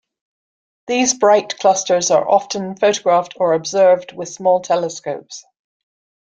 These bright clusters are often photographed or observed with small telescopes.